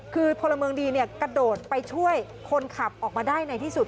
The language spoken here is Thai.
คือพลเมืองดีกระโดดไปช่วยคนขับออกมาได้ในที่สุด